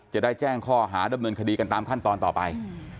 จะได้แจ้งข้อหาดำเนินคดีกันตามขั้นตอนต่อไป